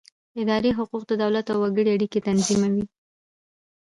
اداري حقوق د دولت او وګړو اړیکې تنظیموي.